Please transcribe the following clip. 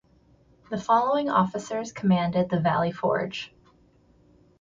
The following officers commanded the"Valley Forge: "